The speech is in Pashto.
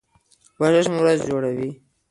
ورزش مو ورځ جوړوي.